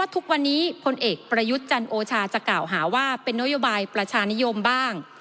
ทุกวันนี้พลเอกประยุทธ์จันโอชาจะกล่าวหาว่าเป็นนโยบายประชานิยมบ้าง